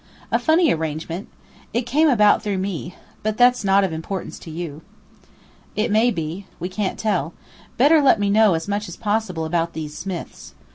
A funny arrangement! it came about through me. But that's not of importance to you." "It may be. We can't tell. Better let me know as much as possible about these Smiths.